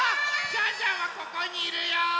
ジャンジャンはここにいるよ。